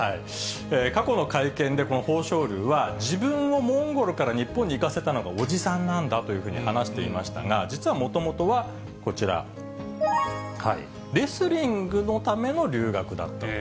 過去の会見でこの豊昇龍は、自分をモンゴルから日本に行かせたのが叔父さんなんだと話していましたが、実はもともとはこちら、レスリングのための留学だったと。